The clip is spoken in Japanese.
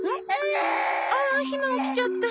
ああひま起きちゃった。